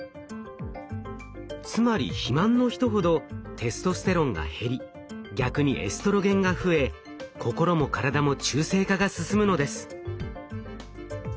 つまり肥満の人ほどテストステロンが減り逆にエストロゲンが増え心も体も中性化が進むのです。